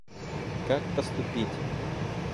Как поступить?